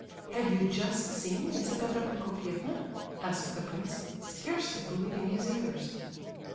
"Have you just seen Lizabetha Prokofievna?" asked the prince, scarcely believing his ears.